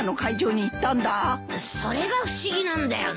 それが不思議なんだよなあ。